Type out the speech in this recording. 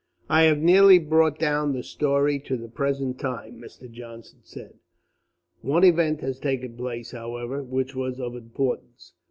"I have nearly brought down the story to the present time," Mr. Johnson said. "One event has taken place, however, which was of importance.